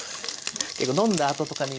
結構飲んだあととかに。